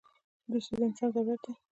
• دوستي د انسان ضرورت دی.